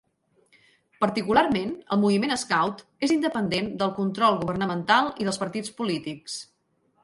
Particularment, el moviment Scout és independent del control governamental i dels partits polítics.